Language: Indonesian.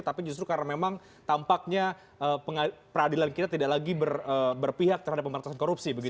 tapi justru karena memang tampaknya peradilan kita tidak lagi berpihak terhadap pemberantasan korupsi